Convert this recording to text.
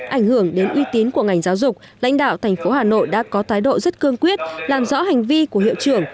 ảnh hưởng đến uy tín của ngành giáo dục lãnh đạo thành phố hà nội đã có thái độ rất cương quyết làm rõ hành vi của hiệu trưởng